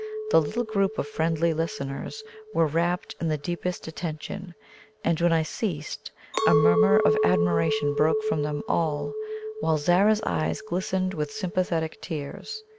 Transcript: The little group of friendly listeners were rapt in the deepest attention; and when I ceased, a murmur of admiration broke from them all, while Zara's eyes glistened with sympathetic tears.